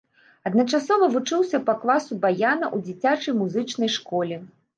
Адначасова вучыўся па класу баяна ў дзіцячай музычнай школе.